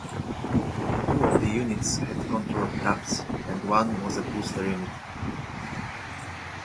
Two of the units had control cabs and one was a booster unit.